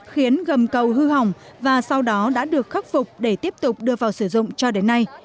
khiến gầm cầu hư hỏng và sau đó đã được khắc phục để tiếp tục đưa vào sử dụng cho đến nay